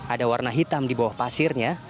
ada warna hitam di bawah pasirnya